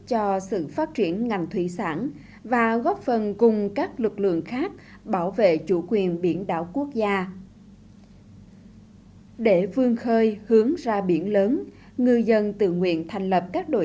chúng tôi xin chào các bạn và hẹn giờ này tuần sau